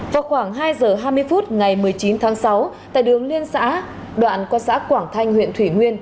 vào khoảng hai giờ hai mươi phút ngày một mươi chín tháng sáu tại đường liên xã đoạn qua xã quảng thanh huyện thủy nguyên